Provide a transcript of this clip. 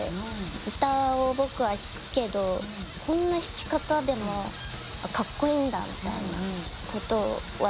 ギターを僕は弾くけどこんな弾き方でもカッコイイんだみたいなことが分かって。